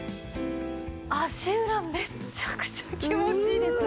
足裏めちゃくちゃ気持ちいいですね。